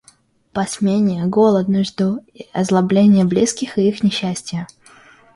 Посмения, голод, нужду, озлобление близких и их несчастье.